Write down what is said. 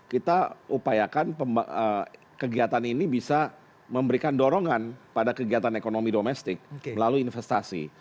kita upayakan kegiatan ini bisa memberikan dorongan pada kegiatan ekonomi domestik melalui investasi